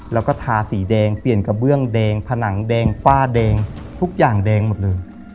แล้วก็ทาสีแดงเปลี่ยนกระเบื้องแดงผนังแดงฝ้าแดงทุกอย่างแดงหมดเลย